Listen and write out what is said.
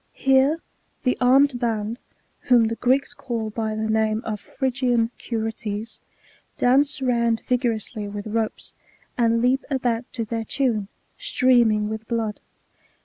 Here the armed band, whom the Greeks call by the namie of Phrygian Curetes, dance round vigorously with ropes, ^ and leap about to their tune, streaming with blood.